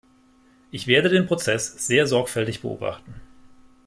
Ich werde den Prozess sehr sorgfältig beobachten.